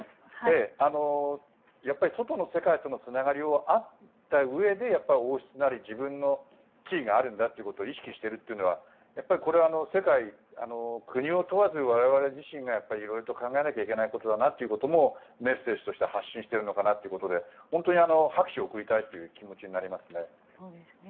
やはり、外の世界とのつながりがあったうえで王室なり、自分の地位があるんだと意識しているというのはこれは世界、国を問わず我々自身がいろいろと考えなきゃいけないことだともメッセージとして発信しているのかなということで本当に拍手を送りたいという気持ちになりますね。